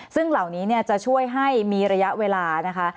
ซึ่งเหล่านี้จะช่วยให้มีระยะเวลานะคะ